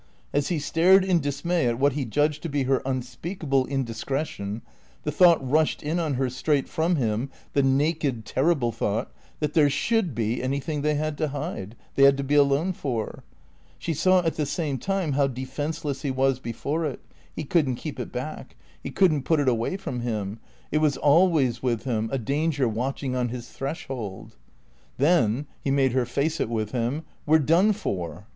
As he stared in dismay at what he judged to be her unspeakable indiscretion, the thought rushed in on her straight from him, the naked, terrible thought, that there should be anything they had to hide, they had to be alone for. She saw at the same time how defenceless he was before it; he couldn't keep it back; he couldn't put it away from him. It was always with him, a danger watching on his threshold. "Then" (he made her face it with him), "we're done for."